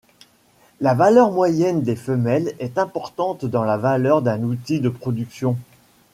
La valeur moyenne des femelles est importante dans la valeur d'un outil de production.